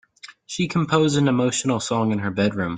She composed an emotional song in her bedroom.